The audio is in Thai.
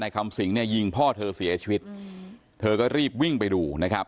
คำสิงเนี่ยยิงพ่อเธอเสียชีวิตเธอก็รีบวิ่งไปดูนะครับ